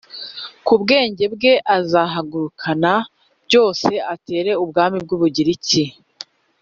ku bwende bwe azahagurukana byose atere ubwami bw u bugiriki